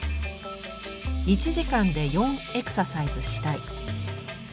１時間で４エクササイズしたい。